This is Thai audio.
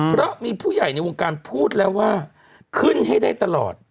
เพราะมีผู้ใหญ่ในวงการพูดแล้วว่าขึ้นให้ได้ตลอด